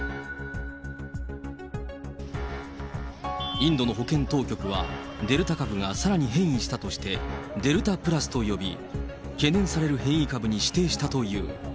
インドの保健当局は、デルタ株がさらに変異したとして、デルタプラスと呼び、懸念される変異株に指定したという。